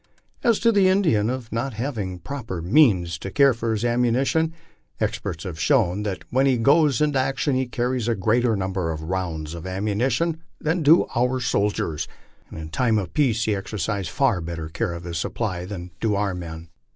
As to the Indian not having proper means to take care of his ammuni tion, experience has shown that when he goes into action he carries a greater number of rounds of ammunition than do our soldiers, and in time of peace he exercises far better care of his supply than do our men.